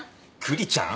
クリちゃん？